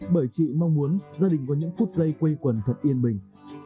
bởi chị mong muốn gia đình có những phút giây quây quần thật yên bình